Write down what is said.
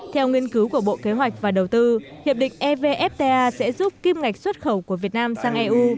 theo nghiên cứu của bộ kế hoạch và đầu tư hiệp định evfta sẽ giúp kim ngạch xuất khẩu của việt nam sang eu